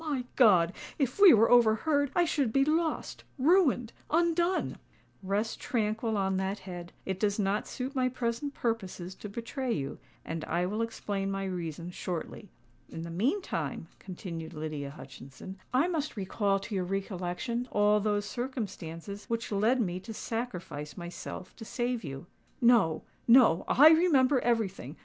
"My God! if we were overheard! I should be lost—ruined—undone!" "Rest tranquil on that head:—it does not suit my present purposes to betray you—and I will explain my reason shortly. In the meantime," continued Lydia Hutchinson, "I must recall to your recollection all those circumstances which led me to sacrifice myself to save you." "No—no: I remember everything.